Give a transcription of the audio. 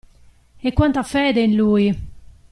E quanta fede in lui!